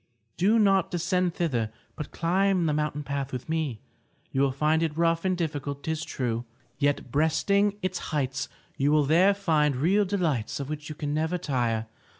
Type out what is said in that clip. Do not descend thither, but climb the mountain path with me. You will find it rough and difficult, 'tis true. Yet, breasting its heights, you will there find real delights of which you can never tire.